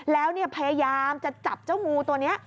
แล้วพยายามจะจับเจ้างูตัวนี้